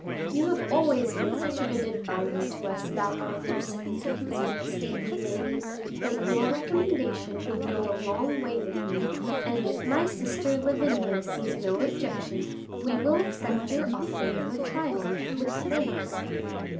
"You have always been such a good adviser to us about our horses," said the stately lady, "that your recommendation would go a long way with me, and if my sister Lavinia sees no objection, we will accept your offer of a trial, with thanks."